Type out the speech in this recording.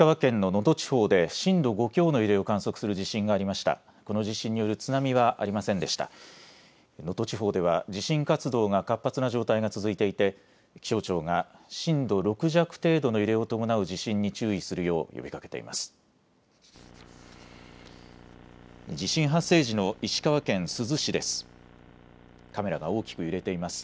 能登地方では地震活動が活発な状態が続いていて、気象庁が震度６弱程度の揺れを伴う地震に注意するよう呼びかけています。